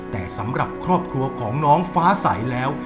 แต่สำหรับครอบครัวของน้องฟ้าใสแล้ว